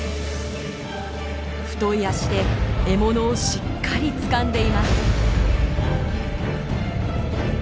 太い足で獲物をしっかりつかんでいます。